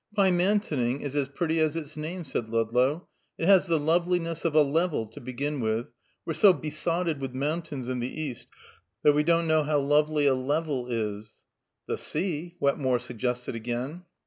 "Pymantoning is as pretty as its name," said Ludlow. "It has the loveliness of a level, to begin with; we're so besotted with mountains in the East that we don't know how lovely a level is." "The sea," Wetmore suggested again.